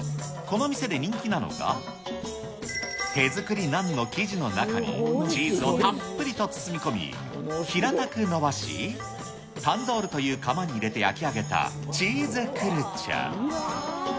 この店で人気なのが、手作りナンの生地の中に、チーズをたっぷりと包み込み、平たく延ばし、タンドールという窯に入れて焼き上げたチーズクルチャ。